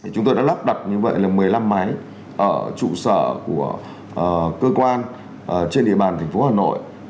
chúng tôi đã lắp đặt như vậy là một mươi năm máy ở trụ sở của cơ quan trên địa bàn thành phố hà nội